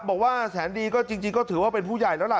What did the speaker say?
บอกว่าแสนดีก็จริงก็ถือว่าเป็นผู้ใหญ่แล้วล่ะ